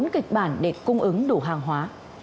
bốn kịch bản để cung ứng đủ hàng hóa